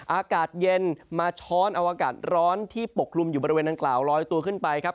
อากาศเย็นมาช้อนเอาอากาศร้อนที่ปกลุ่มอยู่บริเวณดังกล่าวลอยตัวขึ้นไปครับ